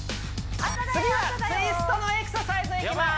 次はツイストのエクササイズいきます